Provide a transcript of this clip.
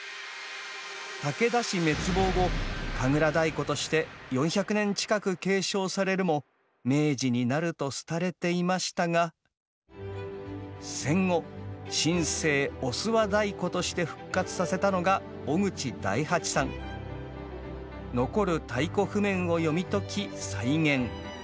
武田氏滅亡後神楽太鼓として４００年近く継承されるも明治になると廃れていましたが戦後新生御諏訪太鼓として復活させたのが残る太鼓譜面を読み解き再現。